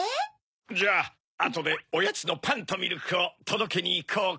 じゃああとでおやつのパンとミルクをとどけにいこうか。